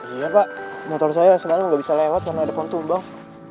iya pak motor saya semalam gak bisa lewat karena ada pon tumbang